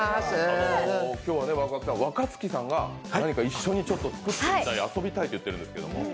今日はわくわくさん、若槻さんが何か一緒に作りたい、遊びたいと言っているんですけど。